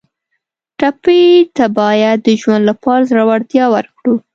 ټپي ته باید د ژوند لپاره زړورتیا ورکړو.